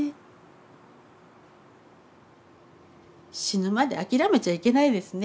死ぬまで諦めちゃいけないですね